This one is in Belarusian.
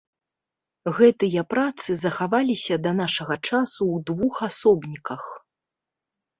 Гэтыя працы захаваліся да нашага часу ў двух асобніках.